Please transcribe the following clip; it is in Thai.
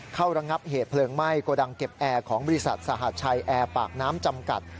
ระงับเหตุเพลิงไหม้โกดังเก็บแอร์ของบริษัทสหัสชัยแอร์ปากน้ำจำกัด